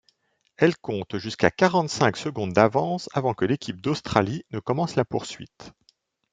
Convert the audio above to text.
Elle compte jusqu'à quarante-cinq secondes d'avance avant que l'équipe d'Australie ne commence la poursuite.